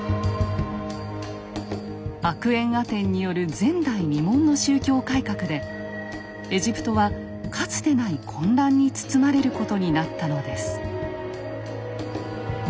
アクエンアテンによる前代未聞の宗教改革でエジプトはかつてない混乱に包まれることになったのです。